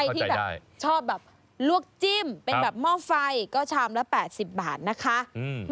ใครที่แบบชอบแบบลวกจิ้มเป็นแบบหม้อไฟก็ชามละ๘๐บาทนะคะอืม